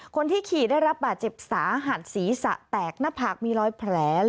คนที่ขี่ได้รับบาดเจ็บสาหัสศีรษะแตกหน้าผากมีรอยแผล